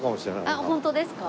あっ本当ですか？